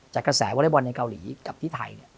จากกระแสวอร่อยบอลในเกาหลีกับที่ไทย